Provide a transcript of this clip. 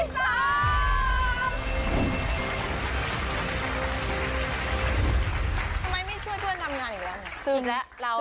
ทำไมไม่ช่วยเพื่อนทำงานอีกแล้วค่ะ